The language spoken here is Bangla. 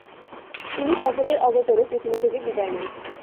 তিনি সকলের অগোচরে পৃথিবী থেকে বিদায় নেন।